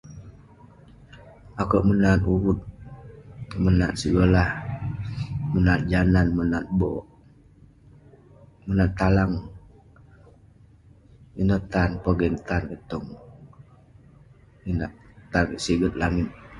Akouk menat uvut, menat segolah, menat jalan, menat be'ek, menat talang. Ineh tan- pogeng tan kek tong inak- taget siget langit.